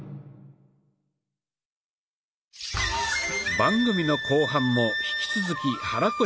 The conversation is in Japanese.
番組の後半も引き続き肚腰呼吸。